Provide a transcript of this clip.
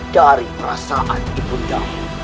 dari perasaan ibunya